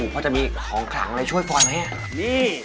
พอจะมีของขลังอะไรช่วยฟอยไหม